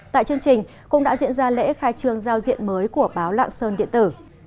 tại chương trình cũng đã diễn ra lễ khai trường giao diện mới của báo lạng sơn điện tử